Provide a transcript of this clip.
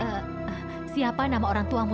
eh siapa nama orang tuamu